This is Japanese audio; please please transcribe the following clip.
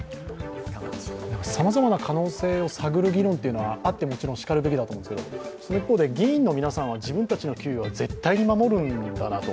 さまざまな可能性を探る議論はあってもちろんしかるべきだと思うんですけど、その一方で議員の皆さんは自分たちの給与は絶対に守るんだなと。